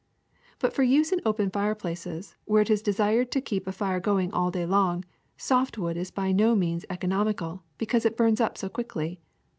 But for use in open fireplaces, when it is desired to keep a fire going all day long, soft wood is by no means economical, because it bums up so quickly.